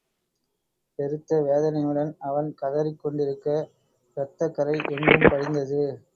பெருத்த வேதனையுடன் அவன் கதறிக் கொண்டிருக்க இரத்தக் கறை எங்கும் படிந்தது.